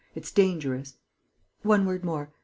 It's dangerous." "One word more.